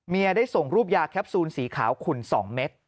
ได้ส่งรูปยาแคปซูลสีขาวขุ่น๒เม็ด